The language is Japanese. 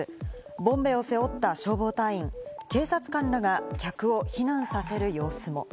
ボンベを背負った消防隊員に警察官らが客を避難させる様子も。